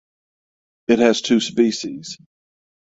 It has two species.